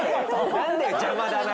なんだよ邪魔だな！